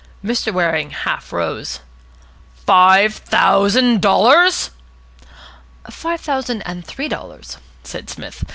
Mr. Waring half rose. "Five thousand dollars!" "Five thousand and three dollars," said Psmith.